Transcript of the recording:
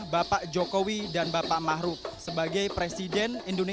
bapak jokowi dan bapak ma'ruf amin